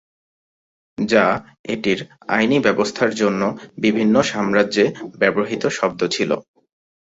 যা এটির আইনি ব্যবস্থার জন্য বিভিন্ন সাম্রাজ্যে ব্যবহৃত শব্দ ছিল।